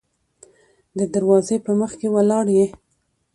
د دروازې په مخکې ولاړ يې.